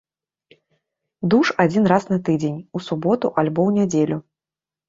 Душ адзін раз на тыдзень, у суботу, альбо ў нядзелю.